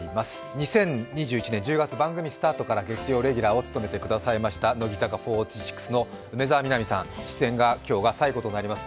２０２１年１０月、番組スタートから月曜レギュラーを務めてくださった乃木坂４６の梅澤美波さん、出演が今日が最後となります。